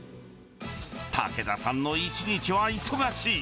武田さんの一日は忙しい。